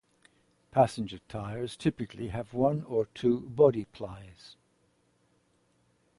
Passenger tires typically have one or two body plies.